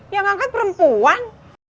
yang angkat perempuan